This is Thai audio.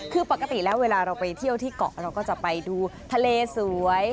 คือปกติแล้วเวลาเราไปเที่ยวที่เกาะเราก็จะไปดูทะเลสวย